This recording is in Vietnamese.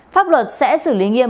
pháp luật sẽ xử lý nghiêm